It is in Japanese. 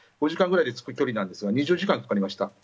５時間ぐらいで着く距離なんですが２０時間かかりました。